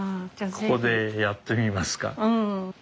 ここでやってみますか？